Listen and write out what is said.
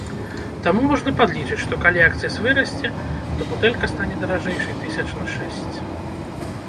Таму можна падлічыць, што калі акцыз вырасце, то бутэлька стане даражэйшай тысяч на шэсць.